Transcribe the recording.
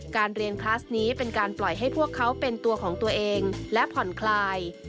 การเรียนคลาสนี้เป็นการปล่อยให้พวกเขาเป็นตัวของตัวเองและผ่อนคลาย